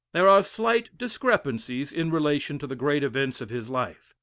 There are slight discrepancies in relation to the great events of his life.